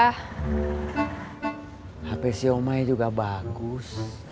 hp si omai juga bagus